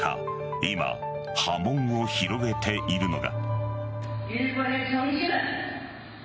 今、波紋を広げているのが。